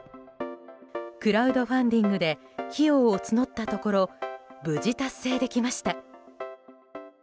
クラウドファンディングで費用を募ったところ無事、達成できました。